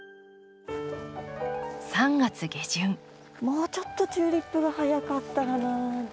もうちょっとチューリップが早かったらな。